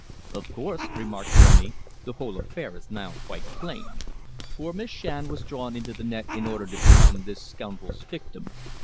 "Of course," remarked Frémy, "the whole affair is now quite plain. Poor Miss Shand was drawn into the net in order to become this scoundrel's victim.